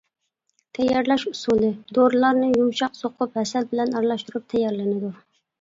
تەييارلاش ئۇسۇلى: دورىلارنى يۇمشاق سوقۇپ، ھەسەل بىلەن ئارىلاشتۇرۇپ تەييارلىنىدۇ.